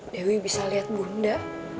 dewi bisa liat bunda